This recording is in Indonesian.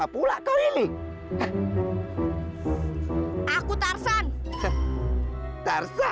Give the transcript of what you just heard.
dulurnya udah pergi